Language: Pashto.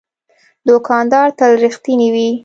دوکاندار تل رښتینی وي.